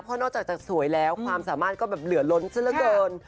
ความสามารถก็เหลือล้นเฉินละเกิน